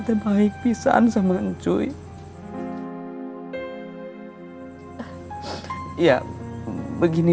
apa kalian seperti ini